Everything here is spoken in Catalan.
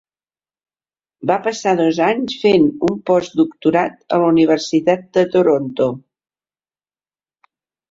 Va passar dos anys fent un postdoctorat a la Universitat de Toronto.